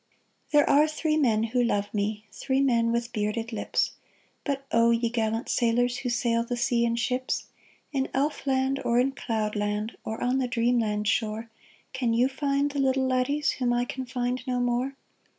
There are three men who love me, Three men with bearded lips ; But oh ! ye gallant sailors Who sail the sea in ships — In elf land, or in cloud land. Or on the dreamland shore, Can you find the little laddies Whom I can find no more